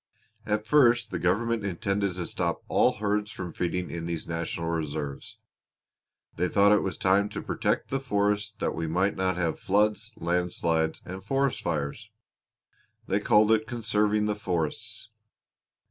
At first the government intended to stop all herds from feeding in these National Reserves. They thought it was time to protect the forests that we might not have floods, landslides, and forest fires. They called it conserving the forests.